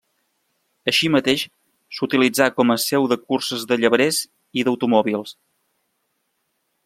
Així mateix s'utilitzà com a seu de curses de llebrers i d'automòbils.